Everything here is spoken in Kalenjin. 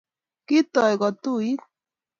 Kitoy kotuit